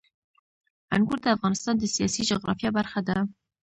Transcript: انګور د افغانستان د سیاسي جغرافیه برخه ده.